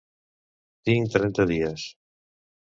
Tinc trenta dies.